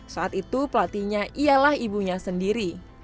saat itu pelatihnya ialah ibunya sendiri